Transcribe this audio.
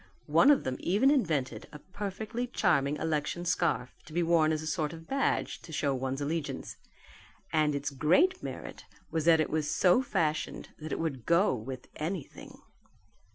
One of them even invented a perfectly charming election scarf to be worn as a sort of badge to show one's allegiance; and its great merit was that it was so fashioned that it would go with anything.